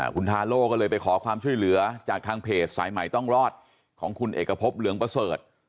คุณทาโล่ก็เลยไปขอความช่วยเหลือจากทางเพจสายใหม่ต้องรอดของคุณเอกพบเหลืองประเสริฐ